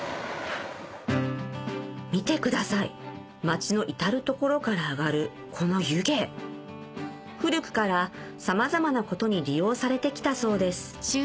見てください町の至る所から上がるこの湯気古くからさまざまなことに利用されてきたそうです